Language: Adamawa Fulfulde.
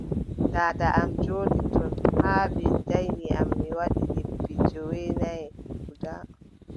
Daada am jooɗi ton ton haa ɓe danyi am mi waɗi lebbi joweenay guda.